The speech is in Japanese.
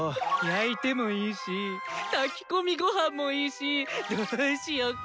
焼いてもいいし炊き込みご飯もいいしどうしよっかな。